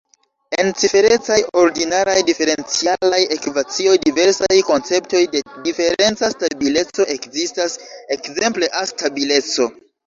En ciferecaj ordinaraj diferencialaj ekvacioj, diversaj konceptoj de cifereca stabileco ekzistas, ekzemple A-stabileco.